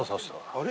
あれ？